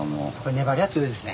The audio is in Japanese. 粘りが強いですね。